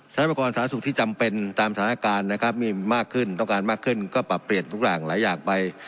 ประกอบสาธารณสุขที่จำเป็นตามสถานการณ์นะครับมีมากขึ้นต้องการมากขึ้นก็ปรับเปลี่ยนทุกอย่างหลายอย่างไป